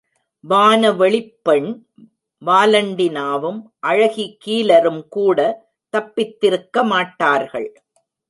வானவெளிப்பெண் வாலண்டினாவும் அழகி கீலரும்கூட தப்பித்திருக்க மாட்டார்கள்!...